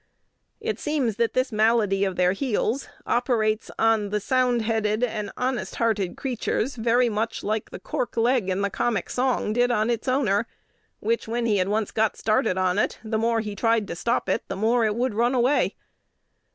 It seems that this malady of their heels operates on the sound headed and honest hearted creatures very much like the cork leg in the comic song did on its owner, which, when he had once got started on it, the more he tried to stop it, the more it would run away.